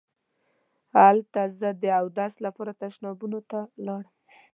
هلته زه د اوداسه لپاره تشنابونو ته لاړم.